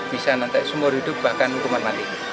bisa nantai semua hidup bahkan hukuman mati